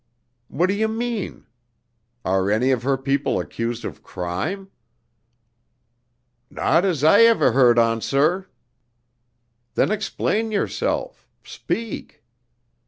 "What do you mean? Are any of her people accused of crime?" "Not as ever I heerd on, sir." "Then explain yourself. Speak!"